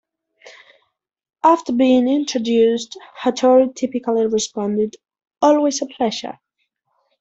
After being introduced, Hattori typically responded, Always a pleasure.